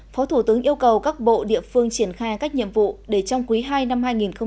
phó thủ tướng yêu cầu các bộ địa phương triển khai các nhiệm vụ để trong quý ii năm hai nghìn hai mươi